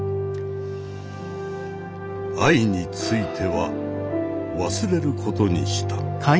愛については忘れることにした。